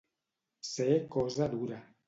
Ser cosa dura.